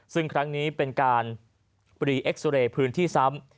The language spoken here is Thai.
ซึ่งครั้งนี้เป็นการรีเอ็กซ์เรย์พื้นที่ซ้ำ